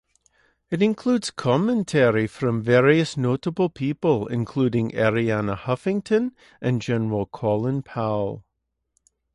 It includes commentary from various notable people including Arianna Huffington and General Colin Powell.